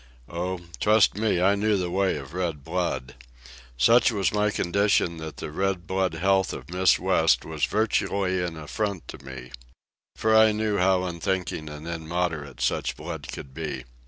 Oh, trust me, I knew the way of red blood. Such was my condition that the red blood health of Miss West was virtually an affront to me—for I knew how unthinking and immoderate such blood could be.